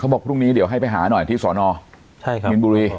เขาบอกพรุ่งนี้เดี๋ยวให้ไปหาหน่อยที่สอนอเองเบนบุรีทางอย่างนี้